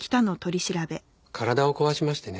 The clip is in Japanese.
体を壊しましてね